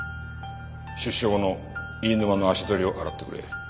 出所後の飯沼の足取りを洗ってくれ。